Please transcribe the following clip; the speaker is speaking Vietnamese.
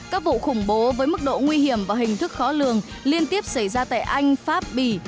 các vụ khủng bố với mức độ nguy hiểm và hình thức khó lường liên tiếp xảy ra tại anh pháp bỉ